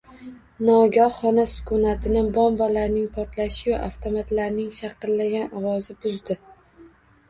Nogoh xona sukunatini bombalarning portlashi-yu avtomatlarning shaqillagan ovozi buzdi.